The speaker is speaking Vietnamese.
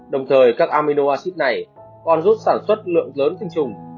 đồng thời các amino acid này còn giúp sản xuất lượng lớn sinh trùng